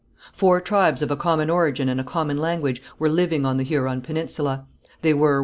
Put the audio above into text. Four tribes of a common origin and a common language were living on the Huron peninsula. They were: (1.)